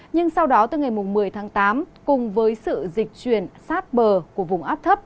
nhưng sau đó từ ngày một mươi tháng tám cùng với sự dịch chuyển sát bờ của vùng áp thấp